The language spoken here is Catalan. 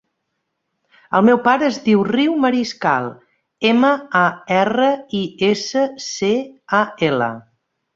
El meu pare es diu Riu Mariscal: ema, a, erra, i, essa, ce, a, ela.